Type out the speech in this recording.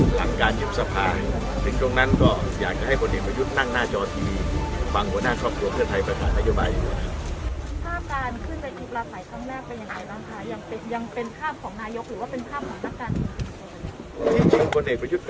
หลังการหยุดสะพานจึงตรงนั้นก็อยากจะให้ผลเหตุประยุทธ์